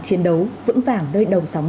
chiến đấu vững vàng nơi đồng sóng